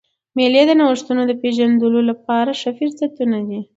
مېلې د نوښتو د پېژندلو له پاره ښه فرصتونه دي.